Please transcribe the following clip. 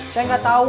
saya gak tau